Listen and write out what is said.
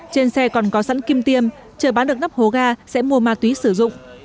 trên xe còn có sẵn kim tiêm chờ bán được nắp hố ga sẽ mua ma túy sử dụng